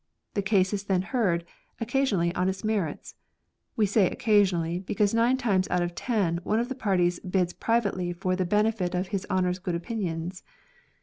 The case is then heard : occasionally, on its merits. We say occasionally, because nine times out of ten one of the parties bids privately for the benefit of his honour's good opinions.